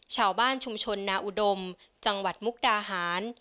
ชาวบ้านชุมชนนาอุดมจังหวัดมุกดาหาร